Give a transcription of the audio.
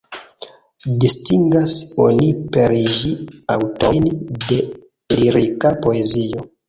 Distingas oni per ĝi aŭtorojn de lirika poezio.